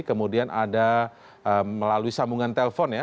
kemudian ada melalui sambungan telpon ya